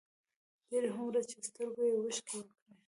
ډېر هومره چې سترګو يې اوښکې وکړې،